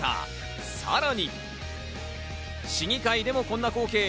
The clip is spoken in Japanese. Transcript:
さらに市議会でもこんな光景。